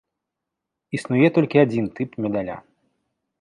Існуе толькі адзін тып медаля.